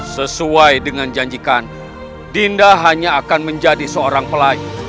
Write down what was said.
sesuai dengan janjikan dinda hanya akan menjadi seorang pelay